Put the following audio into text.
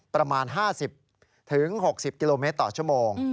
ประมาณ๕๐๖๐กิโลเมตรต่อชั่วโมง